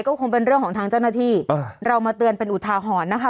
ก็คงเป็นเรื่องของทางเจ้าหน้าที่เรามาเตือนเป็นอุทาหรณ์นะคะ